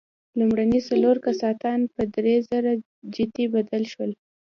لومړني څلور کاستان په درېزره جتي بدل شول.